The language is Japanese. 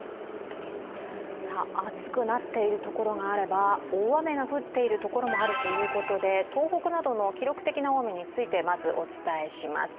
暑くなっているところがあれば、大雨が降っているところもあるということで東北などの記録的な大雨について、まずお伝えします。